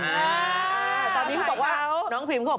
ตอนนี้เขาบอกว่าน้องพิมเขาบอก